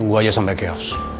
tunggu aja sampe chaos